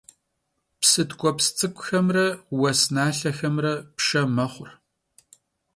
Psı tk'ueps ts'ık'uxemre vues nalhexemre pşşe mexhu.